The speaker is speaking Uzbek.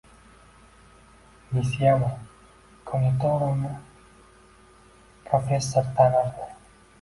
Nisiyama Kon`itironi professor tanirdi